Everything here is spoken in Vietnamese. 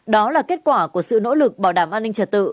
đó là kết quả của sự nỗ lực bảo đảm an ninh trật tự